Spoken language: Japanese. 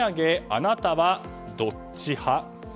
あなたはどっち派？